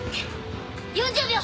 ４０秒！